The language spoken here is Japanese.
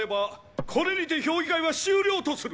これにて評議会は終了とする